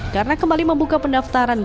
karena kembali membuka pendaftaran